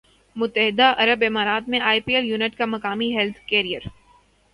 متحدہ عرب امارات میں آئی پی ایل ایونٹ کا مقامی ہیلتھ کیئر